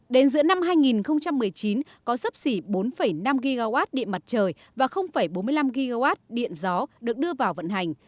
đến giữa năm hai nghìn một mươi chín có sấp xỉ bốn năm gigawatt điện mặt trời và bốn mươi năm gigawatt điện gió được đưa vào vận hành